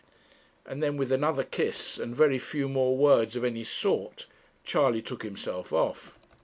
And then with another kiss, and very few more words of any sort, Charley took himself off.